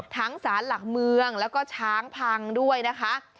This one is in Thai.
สารหลักเมืองแล้วก็ช้างพังด้วยนะคะ